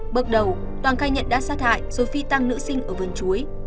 bước đầu toàn khai nhận đã sát hại rồi phi tăng nữ sinh ở vườn chuối